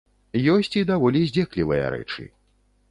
Ёсць і даволі здзеклівыя рэчы.